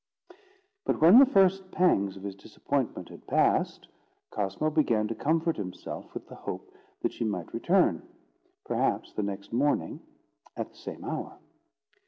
But when the first pangs of his disappointment had passed, Cosmo began to comfort himself with the hope that she might return, perhaps the next evening, at the same hour.